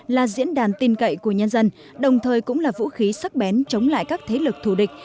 là diễn đàn tin cậy của nhân dân đồng thời cũng là vũ khí sắc bén chống lại các thế lực thù địch